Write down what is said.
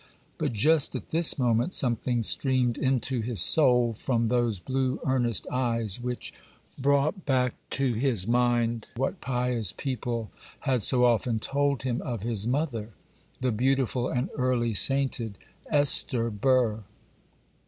But just at this moment something streamed into his soul from those blue, earnest eyes, which brought back to his mind what pious people had so often told him of his mother—the beautiful and early sainted Esther Burr.